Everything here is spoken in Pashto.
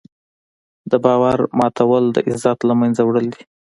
د باور ماتول د عزت له منځه وړل دي.